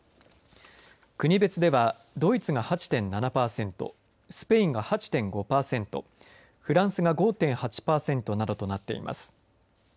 国別ではドイツが８．７パーセントスペインが８．５パーセントフランスが５．８パーセントなどとなっています。